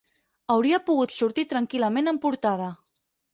Hauria pogut sortir tranquil·lament en portada.